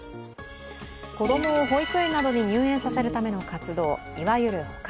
子供を保育園などに入園させるための活動、いわゆる保活。